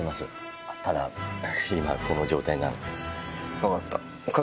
分かった。